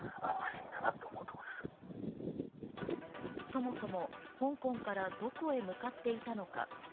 そもそも香港からどこへ向かっていたのか。